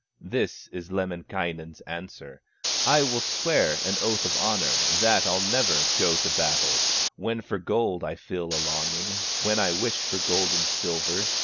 This is Lemminkainen's answer: "I will swear an oath of honor, That I'll never go to battle, When for gold I feel a longing, When I wish for gold and silver.